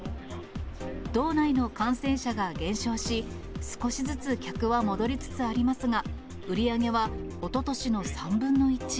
道内の感染者が減少し、少しずつ客は戻りつつありますが、売り上げはおととしの３分の１。